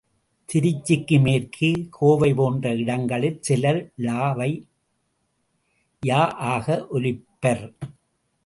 திருச்சிக்கு மேற்கே கோவை போன்ற இடங்களில் சிலர்— ழ வை ய ஆக ஒலிப்பர்.